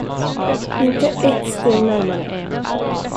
Inte ett steg närmare.